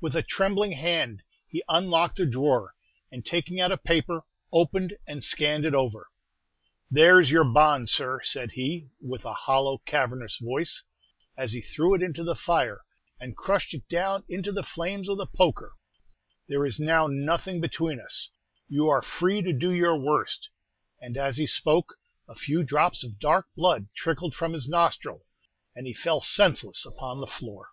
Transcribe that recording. With a trembling hand he unlocked a drawer, and taking out a paper, opened and scanned it over. "There's your bond, sir," said he, with a hollow, cavernous voice, as he threw it into the fire, and crushed it down into the flames with a poker. "There is now nothing between us. You are free to do your worst!" And as he spoke, a few drops of dark blood trickled from his nostril, and he fell senseless upon the floor.